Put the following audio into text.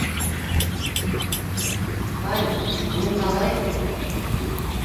Павел, мин ҡалайым...